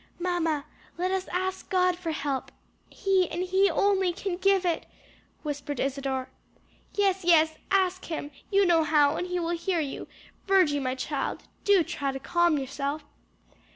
"Mamma let us ask God for help; he and he only can give it," whispered Isadore. "Yes, yes, ask him! you know how and he will hear you. Virgy, my child, try to calm yourself."